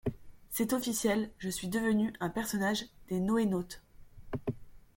C’est officiel: je suis devenu un personnage des Noénautes.